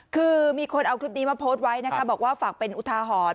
คือมีคนเอาคลิปนี้มาโพสต์ไว้นะคะบอกว่าฝากเป็นอุทาหรณ์